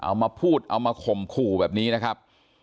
เอามาพูดเอามาข่มขู่แบบนี้นะครับ